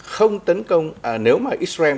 không tấn công nếu mà israel